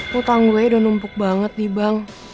hutang gue udah numpuk banget nih bang